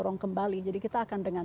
dorong kembali jadi kita akan dengan